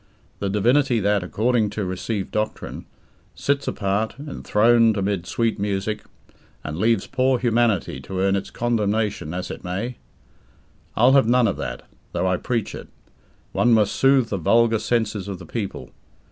The divinity that, according to received doctrine; sits apart, enthroned amid sweet music, and leaves poor humanity to earn its condemnation as it may? I'll have none of that though I preach it. One must soothe the vulgar senses of the people.